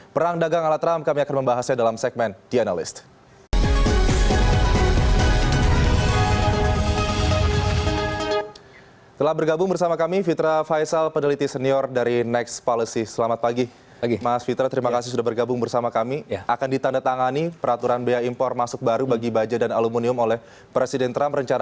perang dagang ala trump kami akan membahasnya dalam segmen the analyst